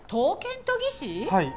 はい。